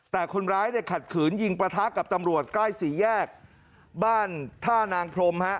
แต่คนร้ายเนี่ยขัดขืนยิงประทะกับตำรวจใกล้สี่แยกบ้านท่านางพรมฮะ